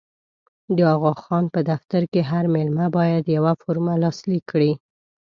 د اغا خان په دفتر کې هر مېلمه باید یوه فورمه لاسلیک کړي.